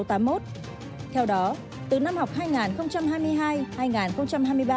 theo đó từ năm học hai nghìn hai mươi hai hai nghìn hai mươi ba